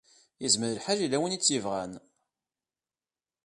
Izmer lḥal yella win i tt-yebɣan.